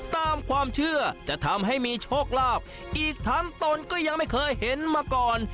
ตามความเชื่อจะทำให้มีโชคลาภอีกทั้งตนก็ยังไม่เคยเห็นมาก่อน